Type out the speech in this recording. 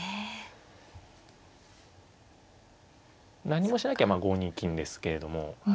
何もしなきゃ５二金ですけれども。